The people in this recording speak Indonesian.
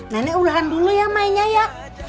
nenek urhan dulu ya mainnya ya